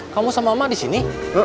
kamu sama mas disini